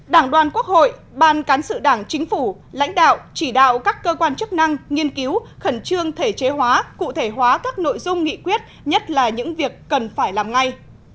đảng đoàn quốc hội ban cán sự đảng chính phủ lãnh đạo chỉ đạo các cơ quan chức năng nghiên cứu khẩn trương thể chế hóa cụ thể hóa các nội dung nghị quyết nhất là những việc cần phải làm ngay